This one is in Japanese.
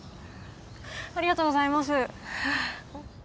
ありがとうございます。